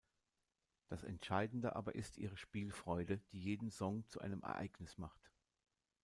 Das Entscheidende aber ist ihre Spielfreude, die jeden Song zu einem Ereignis macht.